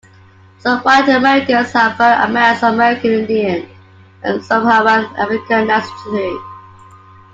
Some White Americans have varying amounts of American Indian and Sub-Saharan African ancestry.